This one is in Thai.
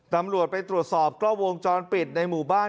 ตำรวจไปตรวจสอบกล้องวงจรปิดในหมู่บ้าน